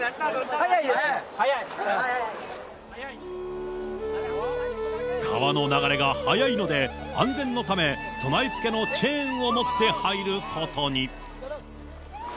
速いよ、川の流れが速いので、安全のため、備え付けのチェーンを持って入ることに。